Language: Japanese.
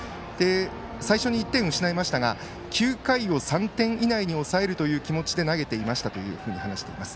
最初に１点を失いましたが９回を３点以内に抑えるという気持ちで投げていましたと話しています。